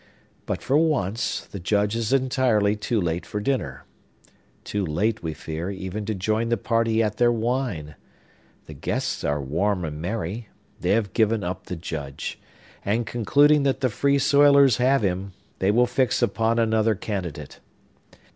But, for once, the Judge is entirely too late for dinner! Too late, we fear, even to join the party at their wine! The guests are warm and merry; they have given up the Judge; and, concluding that the Free Soilers have him, they will fix upon another candidate.